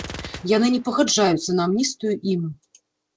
Яны не пагаджаюцца на амністыю ім.